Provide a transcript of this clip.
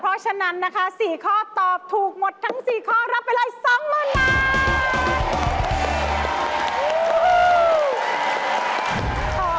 เพราะฉะนั้นนะคะ๔ข้อตอบถูกหมดทั้ง๔ข้อรับเป็นรายสองหมื่นบาท